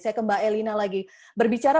saya ke mbak elina lagi berbicara